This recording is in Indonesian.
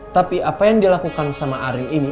tapi apa yang dilakukan sama arin ini